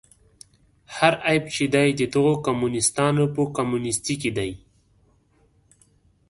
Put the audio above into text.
هر عیب چې دی د دغو کمونیستانو په کمونیستي کې دی.